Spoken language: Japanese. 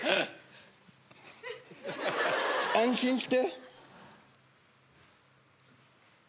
安心して。